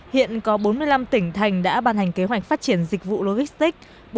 hiện có bốn mươi năm tỉnh thành đã ban hành kế hoạch phát triển dịch vụ logistics